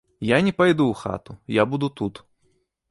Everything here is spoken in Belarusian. Я не пайду ў хату, я буду тут.